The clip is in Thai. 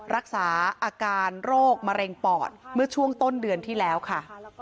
รักษาอาการโรคมะเร็งปอดเมื่อช่วงต้นเดือนที่แล้วค่ะ